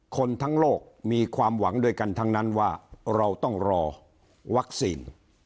คนทั้งโลกมีความหวังด้วยกันทั้งนั้นว่าเราต้องรอวัคซีน